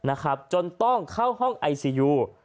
นะครับจนต้องเข้าห้องไอซียู